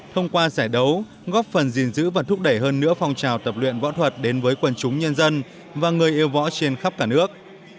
thông qua giải đấu góp phần gìn giữ và thúc đẩy hơn nữa phong trào tập luyện võ thuật đến với quần chúng nhân dân và người yêu võ trên khắp cả nước